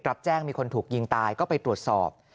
รับแจ้งมีคนถูกยิงตายก็ไปตรวจสอบ